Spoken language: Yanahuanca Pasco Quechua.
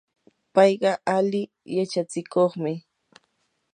payqa ali yachachikuqmi.